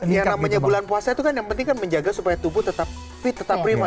yang namanya bulan puasa itu kan yang penting kan menjaga supaya tubuh tetap fit tetap prima